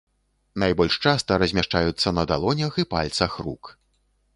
Найбольш часта размяшчаюцца на далонях і пальцах рук.